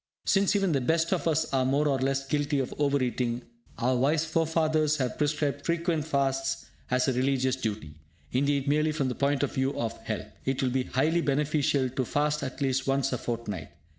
Since even the best of us are more or less guilty of over eating, our wise forefathers have prescribed frequent fasts as a religious duty. Indeed, merely from the point of view of health, it will be highly beneficial to fast at least once a fortnight.